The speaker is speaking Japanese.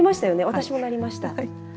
私もなりました。